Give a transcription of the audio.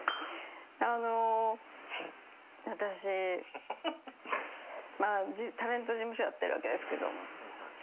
あのう私まあタレント事務所やってるわけですけども。